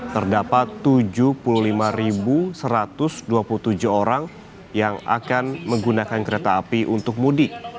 terdapat tujuh puluh lima satu ratus dua puluh tujuh orang yang akan menggunakan kereta api untuk mudik